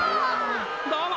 どうも！